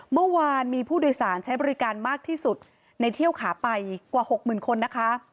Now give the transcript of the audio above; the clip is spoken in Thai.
เมื่อวานมีผู้โดยสารใช้บริการมากที่สุดในเที่ยวขาไปกว่าหกหมื่นคนนะคะ